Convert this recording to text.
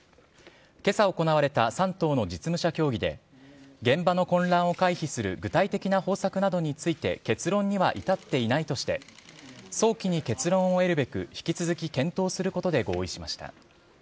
けさ行われた３党の実務者協議で、現場の混乱を回避する具体的な方策などについて結論には至っていないとして、早期に結論を得るべく引き続き検討することで合意しました。